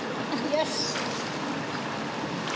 よし！